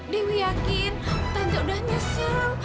dewi yakin tanja udah nyesel